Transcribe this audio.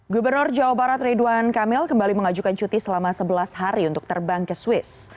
gubernur jawa barat ridwan kamil kembali mengajukan cuti selama sebelas hari untuk terbang ke swiss